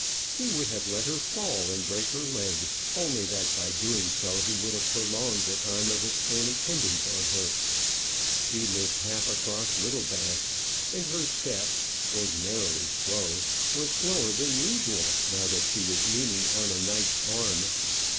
He would have let her fall and break her leg, only that by doing so he would have prolonged the time of his own attendance on her. She lived half across Littlebath; and her step, ordinarily slow, was slower then usual now that she was leaning on a knight's arm.